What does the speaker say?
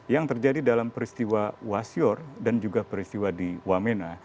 yang terjadi dalam peristiwa wasyor dan juga peristiwa di wamena